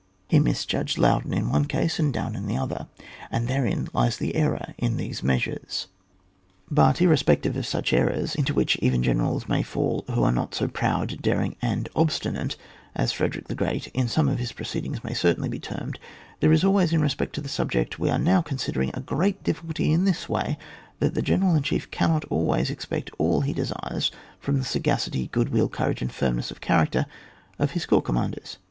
He misjudged Laudon in one case and Daun in the other, and therein lies the error in these measures. But irrespective of such errors, into which even generals may fall who are not so proud, daring, and obstinate as Frederick the Great in some of his pro ceedings may certainly be termed, there is always, in respect to the subject we are now considering, a great difficulty in this way, that the general in chief cannot always expect all he desires from the sagacity, good will, courage and firmness of character of his corps commanders.